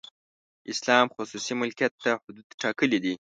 اسلام خصوصي ملکیت ته حدود ټاکلي دي.